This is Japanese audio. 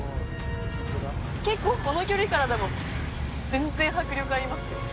結構この距離からでも全然迫力ありますよ